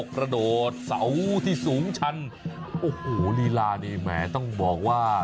ประโดดเสาที่สูงชั้นโอ้โหฮลีราตัวแมะต้องบอกว่า